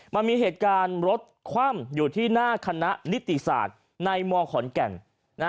มันมีเหตุการณ์รถคว่ำอยู่ที่หน้าคณะนิติศาสตร์ในมขอนแก่น